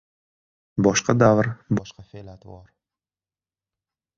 • Boshqa davr ― boshqa fe’l-atvor.